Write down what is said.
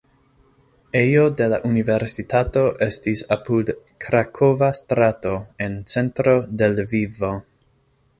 Ejo de la universitato estis apud krakova strato en centro de Lvivo.